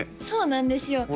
そうなんですよ